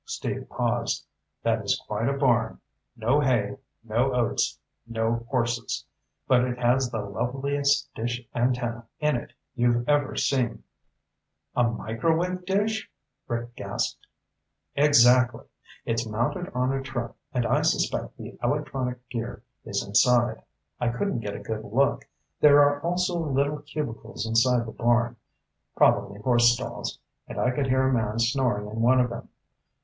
Steve paused. "That is quite a barn. No hay, no oats, no horses. But it has the loveliest dish antenna in it you've ever seen." "A microwave dish?" Rick gasped. "Exactly. It's mounted on a truck, and I suspect the electronic gear is inside. I couldn't get a good look. There are also little cubicles inside the barn, probably horse stalls, and I could hear a man snoring in one of them.